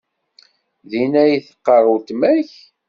Din ay teqqar weltma-k?